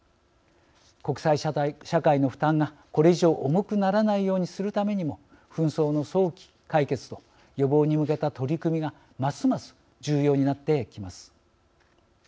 国際社会の負担がこれ以上重くならないようにするためにも紛争の早期解決と予防に向けた取り組みがますます重要になってきます。